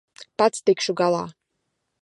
Pats tikšu galā.